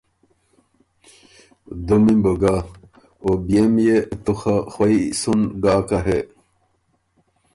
دُمی م بُو ګۀ، او بيې ميې تُو خه خوَئ سُن ګاکه هې